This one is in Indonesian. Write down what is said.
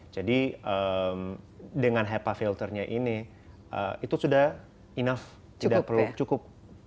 jadi dengan hepa filternya ini itu sudah cukup ya